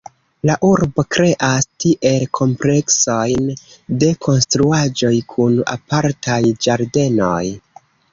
La urbo kreas tiel kompleksojn de konstruaĵoj kun apartaj ĝardenoj.